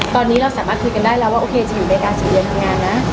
ตอนนี้เราสามารถคุยกันได้ว่าโอเคจะอยู่ระยะเมืองทำงาน๑๙๔๒